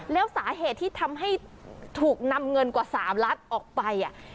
แล้วสาเหตุที่ทำให้ถูกนำเงินกว่า๓ล้านออกไป